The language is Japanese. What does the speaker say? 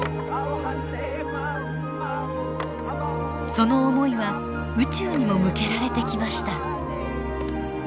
その思いは宇宙にも向けられてきました。